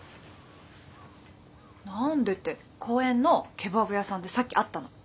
何でって公園のケバブ屋さんでさっき会ったの。